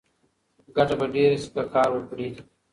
ګټه به ډېره شي که کار وکړې.